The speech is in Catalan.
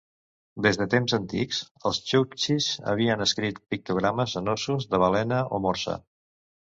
Des de temps antics, els txuktxis havien escrit pictogrames en ossos de balena o morsa.